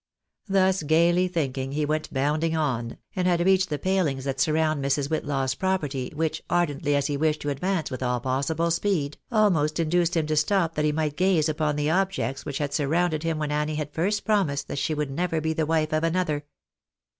Thus gaily thinking, he went bounding on, and had reached the palings that surround Mrs. Whitlaw's property, which, ardently as he wished to advance with all possible speed, almost induced him to stop that he might gaze upon the objects which had sur rounded him when Annie had first promised that she would never be the wife of another.